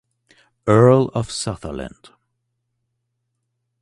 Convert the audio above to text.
Earl of Sutherland.